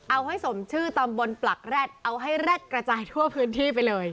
เอาให้สมชื่อตำบลปลักแร็ดเอาให้แร็ดกระจายทั่วพื้นที่ไปเลย